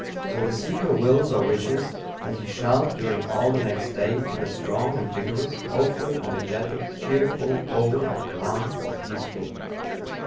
So the seeker wills or wishes that he shall, during all the next day, feel strong and vigorous, hopeful, energetic, cheerful, bold or calm or peaceful.